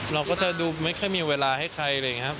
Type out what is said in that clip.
เราก็จะดูไม่ค่อยมีเวลาให้ใครอะไรอย่างนี้ครับ